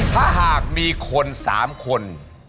ถ้าหากมีคน๓คน